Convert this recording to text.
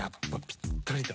ぴったりだ。